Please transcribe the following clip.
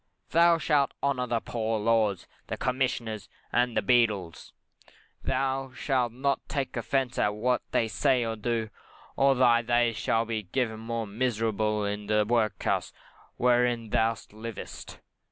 Thou shalt honour the Poor Laws, the Commissioners, and the Beadles; thou shalt take no offence at what they say or do, or else thy days shall be made more miserable in the workhouse wherein thou livest.